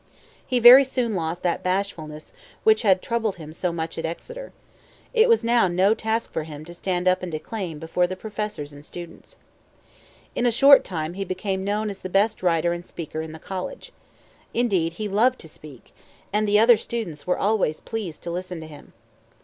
He very soon lost that bashfulness which had troubled him so much at Exeter. It was no task now for him to stand up and declaim before the professors and students. In a short time he became known as the best writer and speaker in the college. Indeed, he loved to speak; and the other students were always pleased to listen to him.